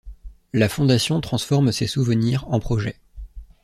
La Fondation transforme ces souvenirs en projets.